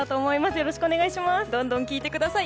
よろしくお願いします。